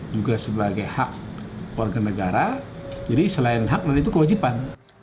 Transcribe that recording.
juga sebagai hak warga negara jadi selain hak dan itu kewajiban